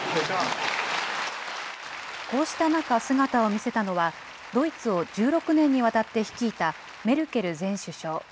こうした中、姿を見せたのは、ドイツを１６年にわたって率いたメルケル前首相。